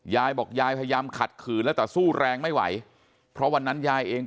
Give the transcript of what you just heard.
ยายบอกยายพยายามขัดขืนแล้วแต่สู้แรงไม่ไหวเพราะวันนั้นยายเอง